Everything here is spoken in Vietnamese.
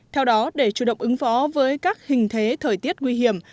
theo đó để chủ động ứng phó với các hình thế thời tiết nguy hiểm